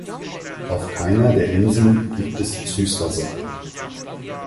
Auf keiner der Inseln gibt es Süßwasser.